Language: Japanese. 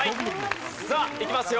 さあいきますよ。